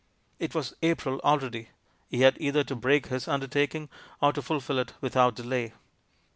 It was April already; he had either to break his undertaking, or to fulfil it without delay.